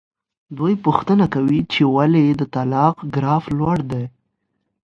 دوی پوښتنه کوي چې ولې د طلاق ګراف لوړ دی.